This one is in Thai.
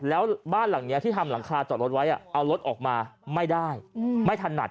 แล้วบ้านหลังนี้ที่ทำหลังคาจอดรถไว้เอารถออกมาไม่ได้ไม่ถนัด